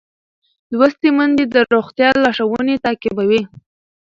لوستې میندې د روغتیا لارښوونې تعقیبوي.